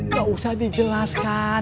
gak usah dijelaskan